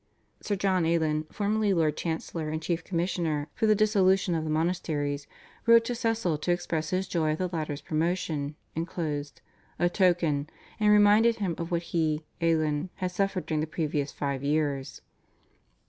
Sir John Alen, formerly Lord Chancellor and Chief Commissioner for the dissolution of the monasteries, wrote to Cecil to express his joy at the latter's promotion, enclosed "a token," and reminded him of what he (Alen) had suffered during the previous five years.